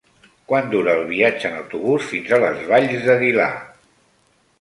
Quant dura el viatge en autobús fins a les Valls d'Aguilar?